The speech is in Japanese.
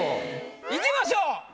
いきましょう。